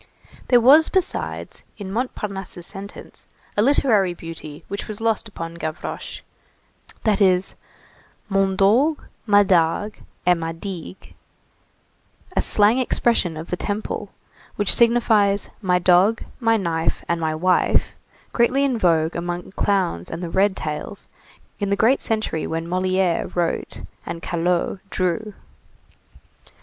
There was besides, in Montparnasse's sentence, a literary beauty which was lost upon Gavroche, that is mon dogue, ma dague et ma digue, a slang expression of the Temple, which signifies my dog, my knife, and my wife, greatly in vogue among clowns and the red tails in the great century when Molière wrote and Callot drew.